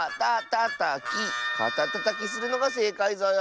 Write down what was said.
かたたたきするのがせいかいぞよ。